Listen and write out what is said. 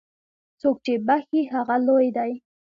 څوک چې بخښي، هغه لوی دی.